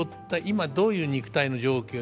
今どういう肉体の状況